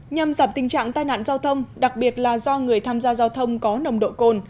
nhằm giảm tình trạng tai nạn giao thông đặc biệt là do người tham gia giao thông có nồng độ cồn